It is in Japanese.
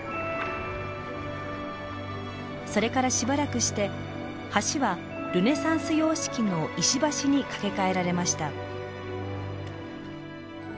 それからしばらくして橋はルネサンス様式の石橋に架け替えられました。